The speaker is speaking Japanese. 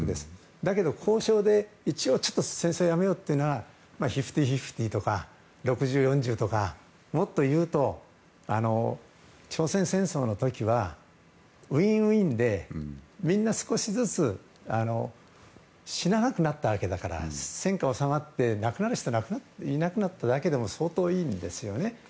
だけど、交渉で一応、戦争をやめようというのは５０：５０とか６０：４０とか、もっと言うと朝鮮戦争の時は、ウィンウィンでみんな少しずつ死ななくなったわけだから戦火が収まって、亡くなる人がいなくなっただけでも相当いいんですよね。